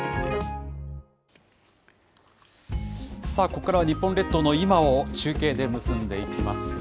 ここからは日本列島の今を今を中継で結んでいきます。